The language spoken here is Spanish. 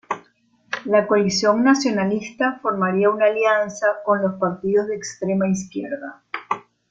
La coalición nacionalista formaría una alianza con los partidos de extrema izquierda.